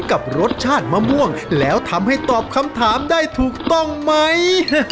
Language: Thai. กับรสชาติมะม่วงแล้วทำให้ตอบคำถามได้ถูกต้องไหม